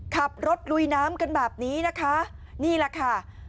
ขับรถลุยน้ำกันแบบนี้นะคะนี่แหละค่ะ